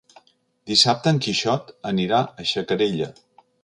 Dissabte en Quixot anirà a Xacarella.